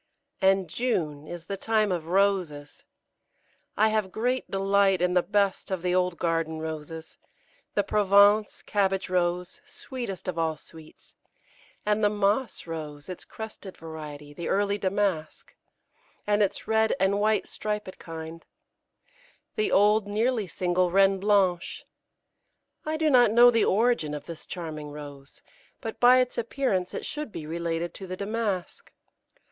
And June is the time of Roses. I have great delight in the best of the old garden Roses; the Provence (Cabbage Rose), sweetest of all sweets, and the Moss Rose, its crested variety; the early Damask, and its red and white striped kind; the old, nearly single, Reine Blanche. I do not know the origin of this charming Rose, but by its appearance it should be related to the Damask.